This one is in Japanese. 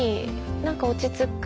何か落ち着く。